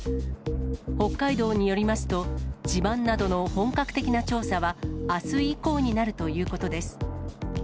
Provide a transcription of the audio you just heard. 北海道によりますと、地盤などの本格的な調査は、あす以降になるということです。